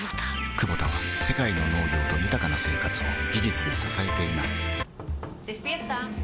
クボタは世界の農業と豊かな生活を技術で支えています起きて。